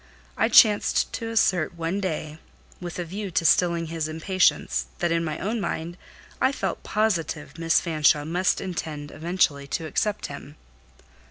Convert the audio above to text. I chanced to assert one day, with a view to stilling his impatience, that in my own mind, I felt positive Miss Fanshawe must intend eventually to accept him.